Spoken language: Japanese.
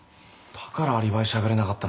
だからアリバイしゃべれなかったのか。